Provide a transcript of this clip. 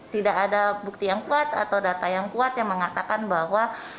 tidak ada bukti yang kuat atau data yang kuat yang mengatakan bahwa